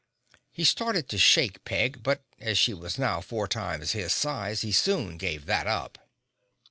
He started to shake Peg but as she was now four times his size he soon gave that up.